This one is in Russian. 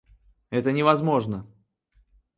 Это невозможно!